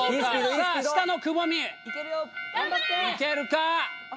さあ下のくぼみいけるか？